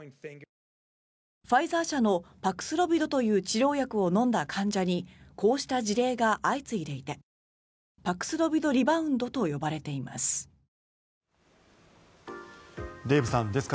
ファイザー社のパクスロビドという治療薬を飲んだ患者にこうした事例が相次いでいてパクスロビド・リバウンドと呼ばれています。